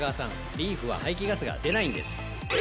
リーフは排気ガスが出ないんです！